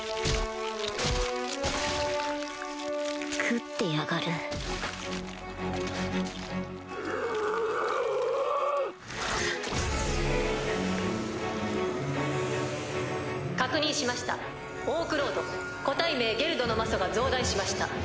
食ってやがる確認しましたオークロード個体名ゲルドの魔素が増大しました。